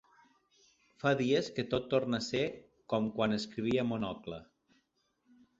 Fa dies que tot torna a ser com quan escrivia Monocle.